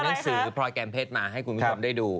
หนังสือพลอยแกรมเพชรมาให้คุณผู้ชมได้ดู